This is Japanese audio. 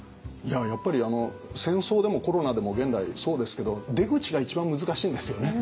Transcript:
やっぱり戦争でもコロナでも現代そうですけど出口が一番難しいんですよね。